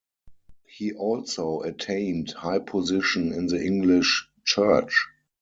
He also attained high position in the English Church.